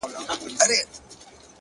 لكه ژړا،